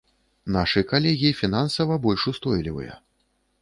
Нашы калегі фінансава больш устойлівыя.